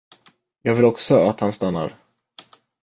Jag vill också att han stannar.